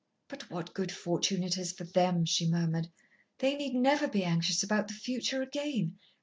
"But what good fortune it is for them!" she murmured. "They need never be anxious about the future again.